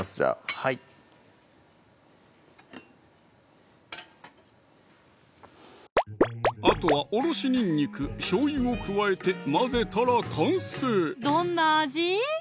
はいあとはおろしにんにく・しょうゆを加えて混ぜたら完成どんな味？